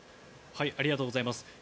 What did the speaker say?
ありがとうございます。